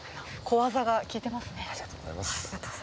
小技が効いてますね。